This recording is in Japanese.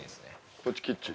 こっちキッチン。